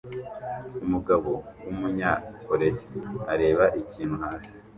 Umugabo wumunyakoreya areba ikintu hasi